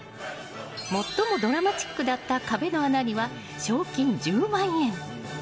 最もドラマチックだった壁の穴には賞金１０万円！